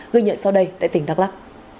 gửi nhận sau đây tại tỉnh đắk lắc